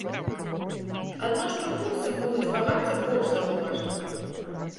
Адно што курсы могуць вагацца больш заўважна.